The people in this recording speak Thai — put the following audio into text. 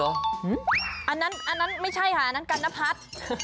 อืมอันนั้นอันนั้นไม่ใช่ค่ะอันนั้นกันนะพัด